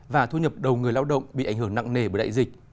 và thu nhập đầu người lao động bị ảnh hưởng nặng nề bởi đại dịch